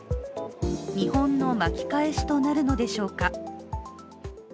日本の巻き返しとなるのでしょうか。